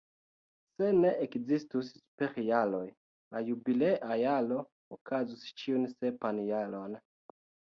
Se ne ekzistus superjaroj, la jubilea jaro okazus ĉiun sepan jaron.